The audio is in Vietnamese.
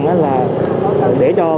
hoặc là những cái kế hoạch để gióp phần